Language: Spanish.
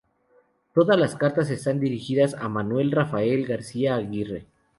Todas las cartas están dirigidas a Manuel Rafael García Aguirre.